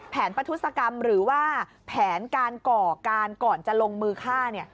แผนประทุศกรรมหรือว่าแผนการก่อการก่อนจะลงมือฆ่าเนี่ย